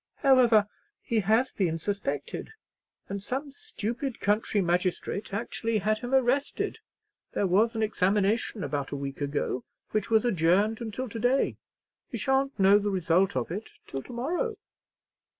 However, he has been suspected, and some stupid country magistrate actually had him arrested. There was an examination about a week ago, which was adjourned until to day. We shan't know the result of it till to morrow."